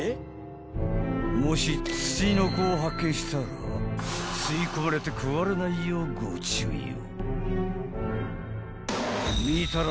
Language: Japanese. ［もしツチノコを発見したら吸い込まれて食われないようご注意を］